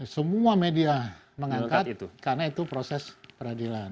semua media mengangkat karena itu proses peradilan